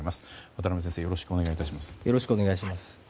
渡部先生よろしくお願いします。